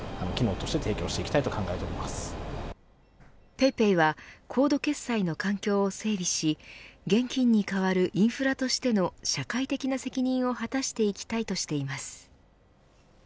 ＰａｙＰａｙはコード決済の環境を整備し現金に代わる変わるインフラとしての社会的な責任を果たしていきたいとしています。